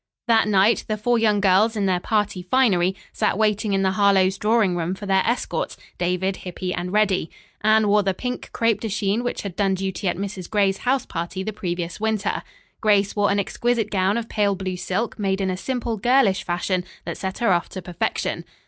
That night, the four young girls, in their party finery, sat waiting in the Harlowe's drawing room for their escorts David, Hippy and Reddy. Anne wore the pink crepe de chine which had done duty at Mrs. Gray's house party the previous winter. Grace wore an exquisite gown of pale blue silk made in a simple, girlish fashion that set her off to perfection.